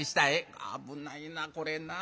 危ないなこれなぁ。